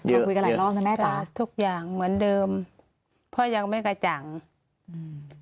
คุยกันหลายรอบนะแม่จ๋าทุกอย่างเหมือนเดิมพ่อยังไม่กระจ่างอืม